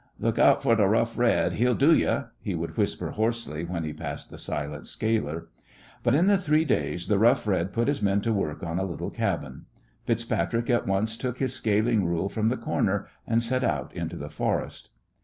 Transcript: "Luk' out for th' Rough Red; he'll do ye!" he would whisper hoarsely when he passed the silent scaler. But in the three days the Rough Red put his men to work on a little cabin. FitzPatrick at once took his scaling rule from the corner and set out into the forest.